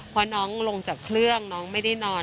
พอน้องลงจากเครื่องน้องไม่ได้นอน